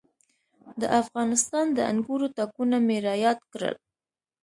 د افغانستان د انګورو تاکونه مې را یاد کړل.